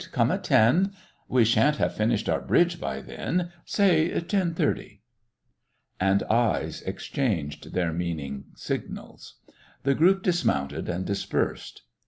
Come at ten." "We shan't have finished our bridge by then. Say ten thirty." And eyes exchanged their meaning signals. The group dismounted and dispersed.